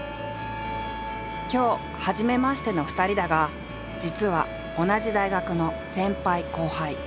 今日はじめましての２人だが実は同じ大学の先輩後輩。